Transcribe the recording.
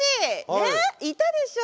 ねっいたでしょう？